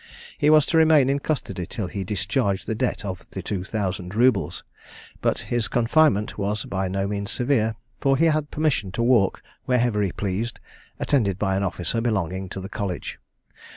He was to remain in custody till he discharged the debt of the two thousand roubles; but his confinement was by no means severe; for he had permission to walk wherever he pleased, attended by an officer belonging to the college.